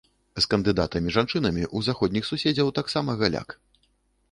З кандыдатамі-жанчынамі ў заходніх суседзяў таксама галяк.